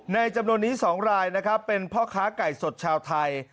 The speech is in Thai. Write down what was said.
จำนวนนี้๒รายนะครับเป็นพ่อค้าไก่สดชาวไทย